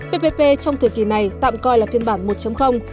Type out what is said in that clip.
ppp trong thời kỳ này tạm coi là phiên bản một